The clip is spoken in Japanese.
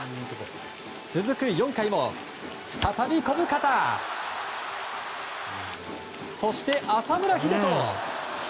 続く４回も再び小深田、そして浅村栄斗。